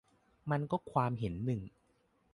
มันก็ความเห็นหนึ่ง